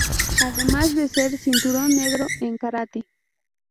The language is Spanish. Además de ser "cinturón negro" en karate.